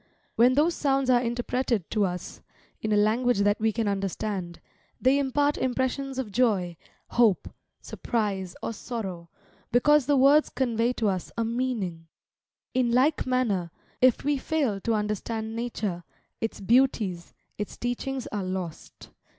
When those sounds are interpreted to us, in a language that we can understand, they impart impressions of joy, hope, surprise, or sorrow, because the words convey to us a meaning. In like manner, if we fail to understand Nature, its beauties, its teachings are lost.